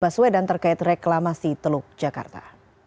baswedan terkait reklamasi teluk jakarta